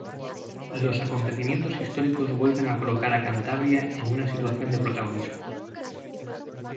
Los acontecimientos históricos vuelven a colocar a Cantabria en una situación de protagonismo.